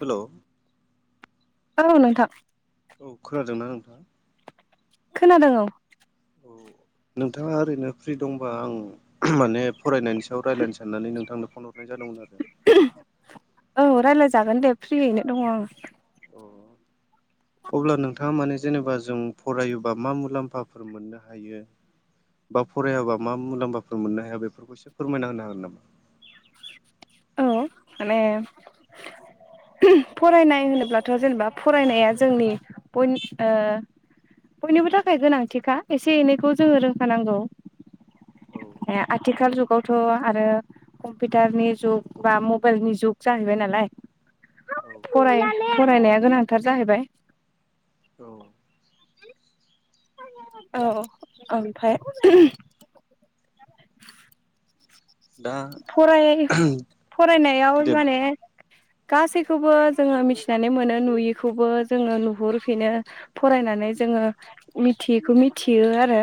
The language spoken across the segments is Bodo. हेलौ औ नोंथां औ खोनादोंना नोंथां? खोनादों औ। औ नोंथाङा ओरैनो फ्रि दंबा आं माने फरायनायनि रायलाय साननानै नोंथांनो फन जादोंमोन आरो औ रायज्लायजागोन दे फ्रियैनो दङ आङो। अब्ला नोंथाङा माने जेनेबा जों फरायोबा मा मुलाम्फाफोर मोननो हायो बा फरायाबा मा मुलाम्फाफोर मोननो हाया बेफोरखौ एससे फोरमायना होनो हागोन नामा? औ माने फरायनाय होनोब्लाथ' जेनेबा फरायनाया जोंनि ओ बयनिबो थाखाय गोनांथिखा एसे एनैखौ जोङो रोंखानांगौ। औ आथिखाल ज गावथ आरो कम्पिउटारनि जुग बा मबाइलनि जुग जाहैबाय नालाय, औ फरायनाया गोनांथार जाहैबाय। औ औ ओमफ्राय [inaudible] दा फराय फरायनायाव दे माने गासैखौबो जोङो मिथिनानै मोनो नुयैखौबो जोङो नुहुरफिनो फरायनानै जोङो मिथियैखौ मिथियो आरो।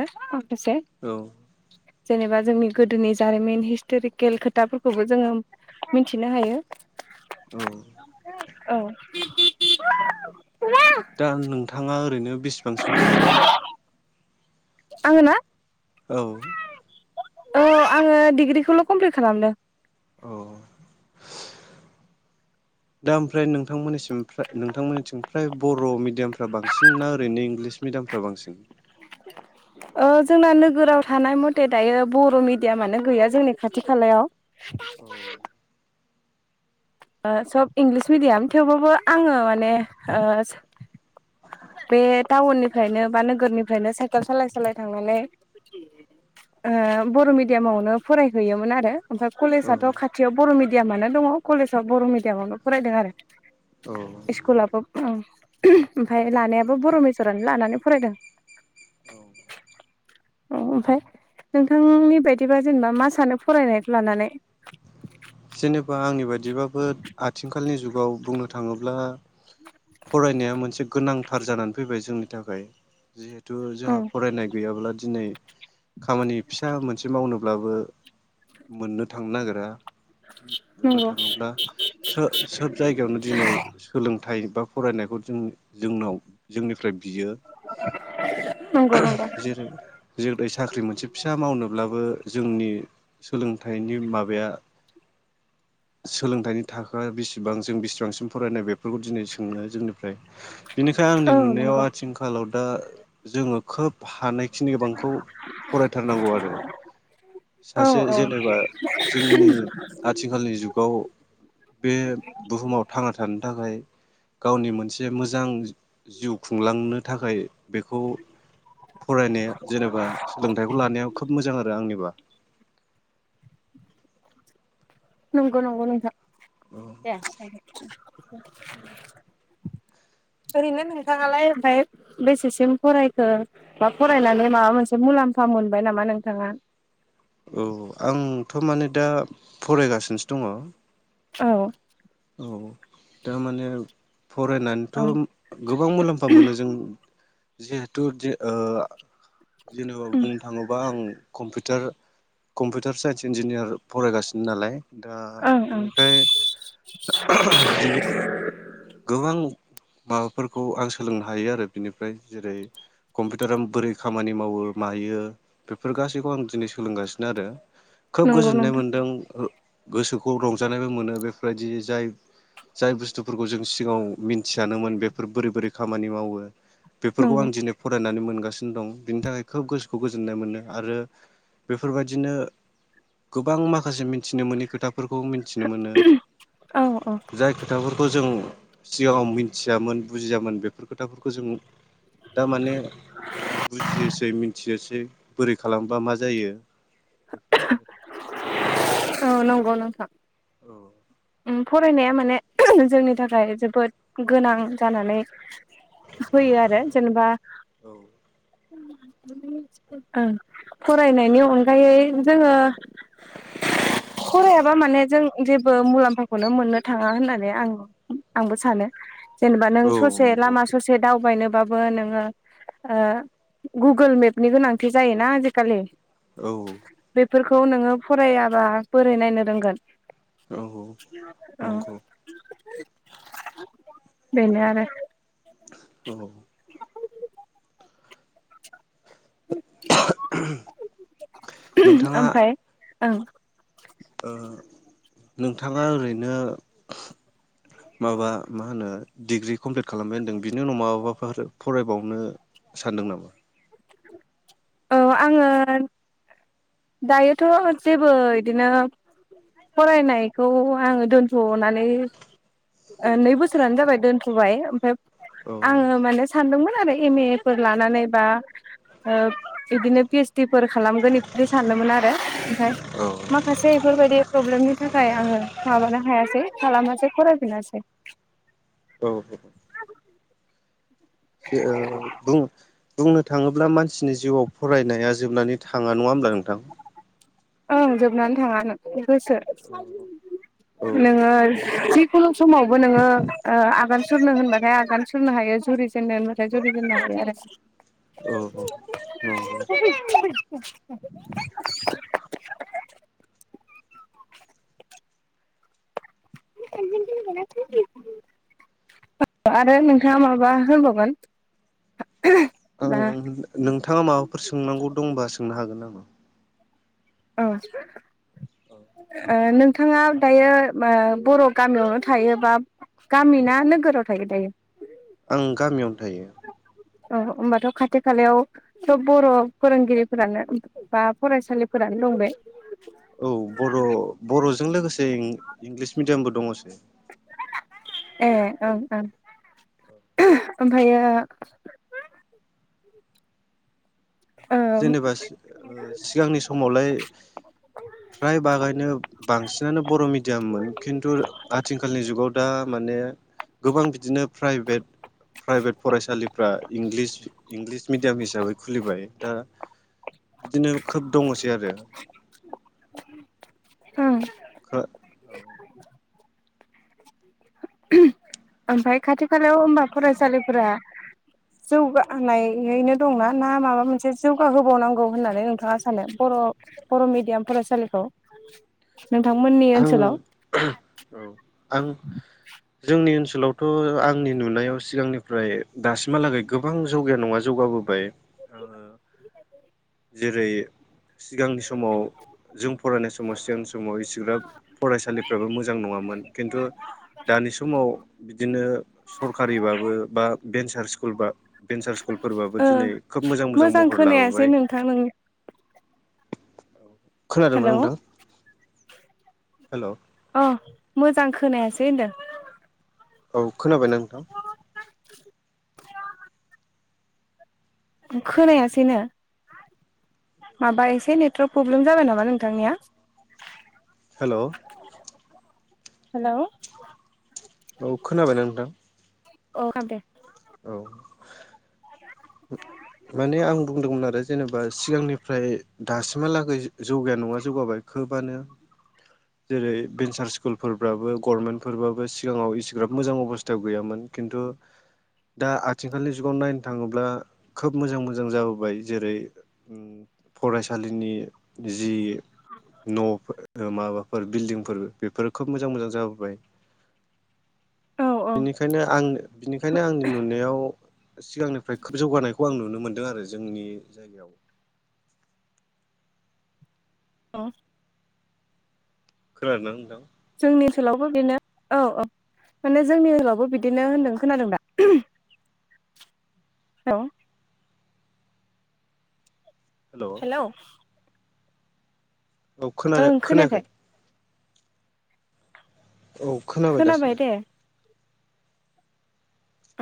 से औ [unintelligible] जेनेबा जोंनि गोदोनि जारिमिन हिस्टरिक केलखोथाफोरखौबो जोङो मिथिनो हायो औ औ दा नोंथाङा ओरैनो बेसिबांसिम फरायनाय जागोन आङोना औ औ आङो डिग्रिखौल कमप्लिट खालामदों औ दा ओमफ्राय नोंथांमोननि नोंथांमोननिथिं फ्राय बर' मिडियामफ्रा बांसिन ना ओरैनो इंलिस मिडियामफ्रा बांसिन ओ जोंना नोगोराव थानाय मथे दायो बर' मिडियामयानो गैया जोंनि खाथि खालायाव औ सब इंलिस मिडियाम थेवबाबो आङो माने ओ बे टाउननिफ्रायनो बा नोगोरनिफ्रायनो साइकेल सालाय सालाय थांनानै ओ बर' मिडियामावनो फरायहैयोमोन आरो ओमफ्राय कलेजाथ खाथियाव बर' मिडियाम आनो दङ कलेज बर' मिडयाम आवनो फरायदों आरो औ स्कुलाबो ओमफ्राय लानायाबो बर' मेजरानो लानानै फरायदों औ ओमफ्राय नोंथांनि बायदिबा जेनेबा मा सानो फरायनायखौ लानानै जेन बा आंनि बायदिबाबो आथिखालनि जुग गाव बुंनो थाङोब्ला फरायनाया मोनसे गोनांथार जानानै फैबाय जोंनि नि थाखाय जिहे तु औ जोंहा फरायनाय गैयाब्ला दिनै खामानि फिसा मोनसे मावनो ब्लाबो मोननो थांनो नागिरा बुंनो नंगौ थाङोब्ला सो-सोब जायगायावनो दिनै सोलोंथाइ बा फरायनायखौ जों जोंनाव जोंनिफ्राय बियो नंगौ नंगौ जेरै जेरै साख्रि मोनसे फिसा मावनोब्लाबो जोंनि सोलोंथाइनि माबाया सोलोंथाइनि थाखोआ बेसेबां जों बेसेबांसिम फरायनाय बे फोरखौ दिनै सोंङो जोंनिफ्राय बिनिखायनो आंनि औ नुनायाव नंगौ आथिखालाव दा जोङो खोब हानायखिनि गोबांखौ फरायथारनांगौ आरो। औ सासे औ जेनेबा जोंनि आथिखालनि जुगाव बे बुहुमाव थांना थानो थाखाय गावनि मोनसे मोजां जिउ खुंलांनो थाखाय बेखौ फरायनाया जेनेबा सोलोंथाइखौ लानाया खोब मोजां आरो आंनिबा। नंगौ नंगौ नोंथां औ [unintelligible] ओरैनो नोंथाङालाय ओमफ्राय बेसेसिम फरायखो बा फरायनानै माबा मोनसे मुलाम्फा मोनबाय नामा नोंथाङा? औ आंथ' माने दा फरायगासिनोसो दङ। औ औ थारमाने फरायनानैथ' औ गोबां मुलाम्फा मोनो जों जिहेतु जे ओ जेनेबा बुंनो थाङोबा आं कम्पिउटार कम्पिउटार साइन्स इन्जिनियार फरायगासिनो नालाय दा ओं ओं बिनिखाय बिदिनो गोबां माबाफोरखौ आं सोलोंनो हायो आरो बिनिफ्राय जेरै कम्पिउटार आ बोरै खामानि मावो मायो बेफोर गासैखौ आं दिनै सोलोंगासिनो आरो। खोब नंगौ गोजोननाय नोंथां मोनदों। गोसोखौ रंजानायबो मोनो बेफोरबायदि जाय जाय बुस्थुफोर जों सिगाङाव मिन मिथियानोमोन बेफोर बोरै बोरै खामानि मावो बेफोरखौ नंगौ आं दिनै फरायनानै मोनगासिनो दं बिनि थाखाय खोब गोसोखौ गोजोननाय मोन्दों आरो बेफोरबायदिनो गोबां माखासे मिथिनो मोनि खोथाफोरखौ फोरखौ मिथिनो मोनो औ औ जाय खोथाफोरखौ जों सिगाङाव मिथियामोन बुजियामोन बेफोर खोथाफोरखौ जों दा माने बुजियोसै मिथियोसै बोरै खालामबा मा जायो। बेफोर बायदिनो औ नंगौ नोंथां औ ओम फरायनाया माने जोंनि थाखाय जोबोद गोनां जानानै होयो आरो जेनेबा औ ओं फरायनायनि अन गायै जोङो फरायाबा माने जों जेबो मुलाम्फाखौनो मोननो थाङा होननानै आं आंबो सानो। जेनेबा नों औ ससे नंगौ लामा ससे दाउ बायनोबाबो नोङो ओ गुगोल मेपनि गोनांथि जायोना आजिखालि औ फोरखौ नोङो फरायाबा बोरै नायनो रोंगोन औ औ नंगौ बेनो आरो औ नोंथाङा ओमफ्राय ओं नोंथाङा ओरैनो माबा मा होनो डिग्रि कमप्लिट खालामबाय होनदों बिनि उनाव माबाबाफोर फरायबावनो सानदों नामा? औ आङो दायोथ' जेबो बिदिनो फरायनायखौ आङो दोनथ'नानै नै बोसोरानो जाबाय दोनथ'बाय ओमफफ्राय औ आङो माने सानदोंमोन आरो एम ए फोर लानानै बा आ इदिन फि एस डि फोर खालामगोन बेफोरदि सानोममोन आरो ओमफ्राय औ माखासे बेफोरबायदि प्रब्लेमनि थाखाय आङो माबानो हायासै खालामासै फरायफिनासै औ औ ज बुं बुंनो थाङोब्ला मानसिनि जिउआव फरायनाया जोबनानै थाङा नङा होमब्ला नोंथां। ओं जोबनानै थाङा होसो औ औ नोङो [unintelligible] सुलग समावबो नोङो ओ आगान सुरनो होनबाथाय आगान सुरनो हायो जुरि जेननो होनबाथाय जुरि जेननो हायो आरो [inaudible] औ नंगौ आरो नोंथाङा माबा हबावगोन नोंथाङा माबाफोर सोंनांगौ दंबा सो सोंनो हागोन नामा औ नोंथाङा दायो बर' गामियावनो थायो बा गामि ना नोगोराव थायो दायो आं गामियावनो थायो औ होमबाथ' खाथि खालायावथ' बर' फोरोंगिरिफोरानो बा फरायसालिफोरानो दं बे औ बर' बर'जों लोगोसे इंलिस मिडियामबो दङसै ए ओं ओं ओमफायो जेनेबा सिगांनि समावलाय फ्राय बागैनो बांसिनानो बर' मिडि मिदियाममोन खिन्थु आथिखालनि जुगाव दा माने गोबां बिदिनो प्राइभेट प्राइभेट फरायसालिफ्रा इंलिस मिडियाम हिसाबै खुलिबाय दा बिदिनो खोब दङसै आरो ओं औ ओमफ्राय खाथि खालायाव होनबा फरायसालिफोरा जौगानायैनो दंना ना माबा मोनसे जौगाहोबावनांगौ होननानै नोंथाङा सानो बर' बर' मिडियाम फरायसालिखौ नोंथांमोननि आं ओनसोलाव औ आं जोंनि ओनसोलावथ' आंनि नुनायाव सिगांनि ओमफ्राय दासिमहालागै गोबां जौगाया नङा जौगाबोबाय ओ जेरै सिगांनि समाव जों फरायनाय सम सम समाव इसिग्राब फरायसालिफ्राबो मोजां नङामोन खिन्थु दानि समाव बिदिनो सरकारिबाबो बा भेन्सार स्कुलब भेन्सार स्कुलफोरबाबो दिनै मोजां खोनायासै नोंथां नों औ खोनादोंना हेलौ नोंथां हेल' अ मोजां खोनायासै होनदों औ खोनाबायना नोंथां [inaudible] खोनायासैनो हेल' औ हेल' औ खोनाबायना नोंथां अ खोनादो दे औ [inaudible] माने आं बुंदोंमोन आरो जेनेबा सिगांनिफ्राय दासिमहालागै जौगाया नङा जौगाबाय खोबानो जेरै भेन्सार स्कुलफोरबाबो गभरमेन्टफोरबाबो सिगाङाव इसिग्राब मोजां अबस्थायाव गैयामोन खिन्थु दा आथिखालनि जुगाव नायनो थाङोब्ला खोब मोजां मोजां जाबोबाय जेरै उम फरायसालिनि जि न'टच ओ माबाफोर बिल्डिंफोर बेफोरो खोब बमोजां मोजां जाबोबाय औ औ बिनिखायनो आं बिनिखायनो आंनि नुनायाव सिगांनिफ्राय खोब जौगानाय खौ आं नुनो मोनदों आरो जोंनि औ खोनादों ना नोंथां जोंनि ओनसोलावबो बिदिनो औ औ माने जोंनि ओनसोलावबो बिदिनो होनदों खोनादों दा औे। हेल' औ हेलौ। औ खोनादों खोनायाखै। औ खोनाबाय दासिनो।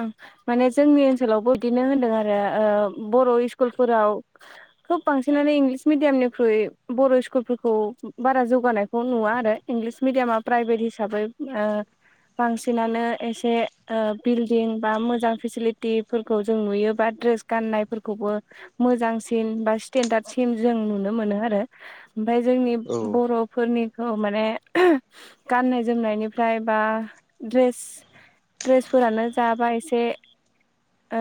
ओं माने जोंनि ओनसोलावबो बिदिनो होनदों आरो ओ बर' इस्कुलफोराव खोब बांसिनानो इंलिस मिडियामनिख्रुइ बर' स्कुलफोरखौ बारा जौगानायखौ नुवा आरो इंलिस मिडियामा प्राइभेट हिसाबै ओ बांसिनानो एसे ओ बिल्डिं बा मोजां फेसिलिटिफोरखौ जों नुयोबा ड्रेस गाननायफोरखौबो मोजांसिन बा स्टेेनडार्ड सिम जों नुनो मोनो आरो। ओमफ्राय जोंनि औ बर'फोरनि खौ माने गाननाय जोमनायनिफ्राय बा द्रेस द्रेस फोरानो जा बा एसे ओ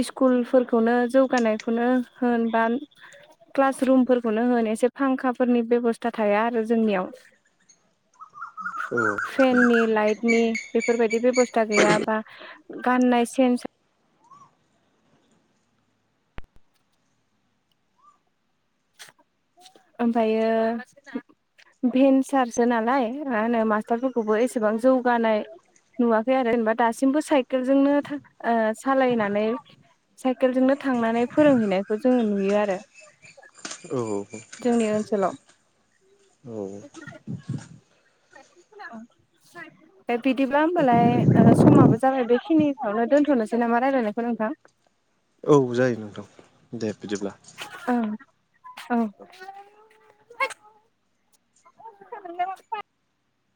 इस्कुलफोरखौनो जौगानायखौनो होन बा क्लास रुम फोरखौनो होन एसे फांखाफोरनि बेब'स्था थाया आरो जोंनियाव। औ फेननि लाइटनि बेफोरबायदि बेबस्था गैयाबा। गाननाय सेन ओमफायो भेनसारसो नालाय मा होनो मास्टारफोरखौबो एसेबां जौगानाय नुवाखै आरो जेनेबा दासिमबो साइकेलजोंनो ओ सालायनानै साइकेलजोंनो थांनानै फोरोंहैनायखौ जोङो नुयो आरो। औ औ जोंनि औ। [inaudible] ए बिदिब्ला होमबालाय ओ समाबो जाबाय बेखिनिखौ नो दोनथ'नोसै नामा रायलायनायखौ नोंथां। औ जायो नोंथां दे। बिदिब्ला ओं औ [unintelligible]